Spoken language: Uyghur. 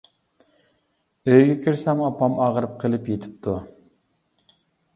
ئۆيگە كىرسەم ئاپام ئاغرىپ قىلىپ يىتىپتۇ.